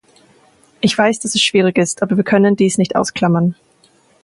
Ich weiß, dass es schwierig ist, aber wir können dies nicht ausklammern.